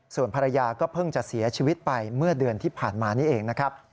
ส่วนภรรยาก็เพิ่งจะเสียชีวิตไปเมื่อเดือนที่ผ่านมานี่เองนะครับ